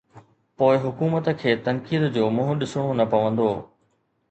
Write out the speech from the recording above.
پوءِ حڪومت کي تنقيد جو منهن ڏسڻو نه پوندو.